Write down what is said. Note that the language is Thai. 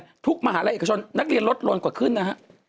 หรืออะไรทุกมหาลัยเอกชนนักเรียนลดลงกว่าครึ่งนะฮะ